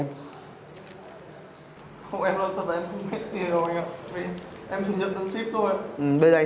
em thật ra em không biết gì rồi